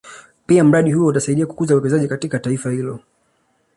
Pia mradi huo utasaidia kukuza uwekezaji katika taifa hilo